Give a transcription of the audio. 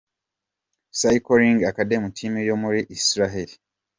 Cycling Academy Team yo muri Israel.